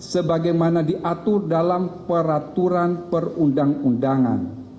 sebagaimana diatur dalam peraturan perundang undangan